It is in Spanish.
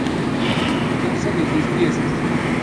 Consta de seis piezas.